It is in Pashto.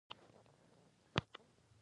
صفت الله زاهدي او نور په بل موټر کې.